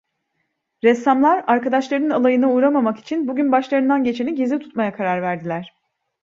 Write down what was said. Ressamlar, arkadaşlarının alayına uğramamak için bugün başlarından geçeni gizli tutmaya karar verdiler.